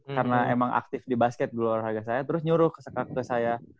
karena emang aktif di basket guru olahraga saya terus nyuruh kakak kakak saya